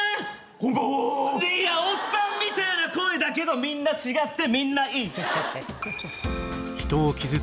こんばんはーいやオッサンみたいな声だけどみんな違ってみんないい